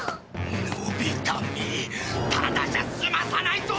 のび太めただじゃ済まさないぞ！